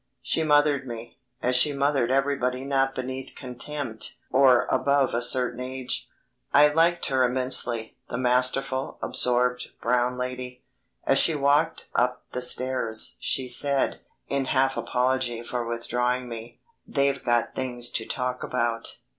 She mothered me, as she mothered everybody not beneath contempt or above a certain age. I liked her immensely the masterful, absorbed, brown lady. As she walked up the stairs, she said, in half apology for withdrawing me. "They've got things to talk about."